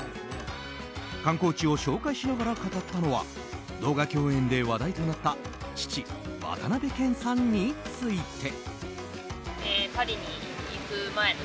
観光地を紹介しながら語ったのは動画共演で話題となった父・渡辺謙さんについて。